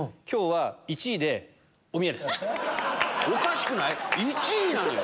おかしくない⁉１位なのよ？